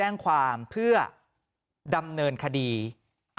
อารมณ์ไม่ดีเพราะว่าอะไรฮะ